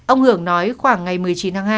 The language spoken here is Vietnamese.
ông hưởng nói khoảng ngày một mươi chín tháng hai